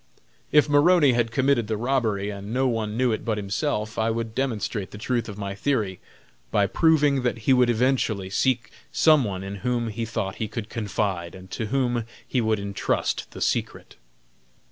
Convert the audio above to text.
If Maroney had committed the robbery and no one knew it but himself, I would demonstrate the truth of my theory by proving that he would eventually seek some one in whom he thought he could confide and to whom he would entrust the secret.